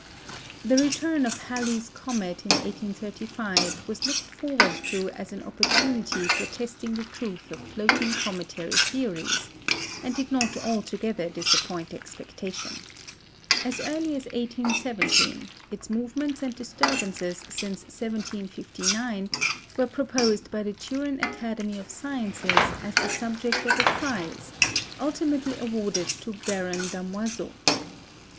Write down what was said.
The return of Halley's comet in 1835 was looked forward to as an opportunity for testing the truth of floating cometary theories, and did not altogether disappoint expectation. As early as 1817, its movements and disturbances since 1759 were proposed by the Turin Academy of Sciences as the subject of a prize ultimately awarded to Baron Damoiseau.